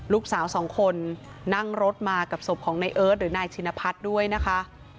ลูกสาวสองคนนั่งรถมากับศพของนายเอิร์ทหรือนายชินพัฒน์ด้วยนะคะ